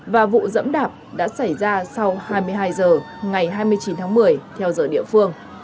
và vụ dẫm đạp đã xảy ra sau hai mươi hai h ngày hai mươi chín tháng một mươi theo giờ địa phương